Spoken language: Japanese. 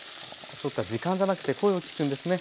そっか時間じゃなくて声を聞くんですね